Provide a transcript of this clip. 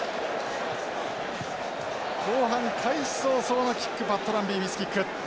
後半開始早々のキックパットランビーミスキック。